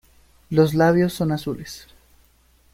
Los labios son azules.